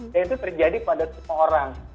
dan itu terjadi pada satu orang